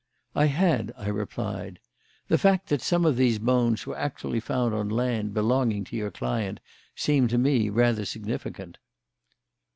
"I had," I replied. "The fact that some of the bones were actually found on land belonging to your client seemed to me rather significant."